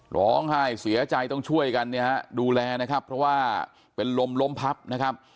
ร้องไห้เสียใจต้องช่วยกันเนี่ยฮะดูแลนะครับเพราะว่าเป็นลมล้มพับนะครับ